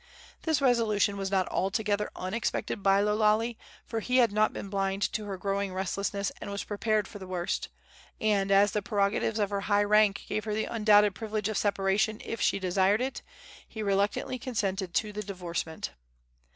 This resolution was not altogether unexpected by Lo Lale, for he had not been blind to her growing restlessness and was prepared for the worst; and as the prerogatives of her high rank gave her the undoubted privilege of separation if she desired it, he reluctantly consented to the divorcement.